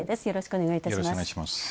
よろしくお願いします。